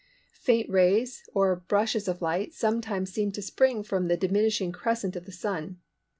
Faint rays or brushes of light sometimes seem to spring from the diminishing crescent of the Sun.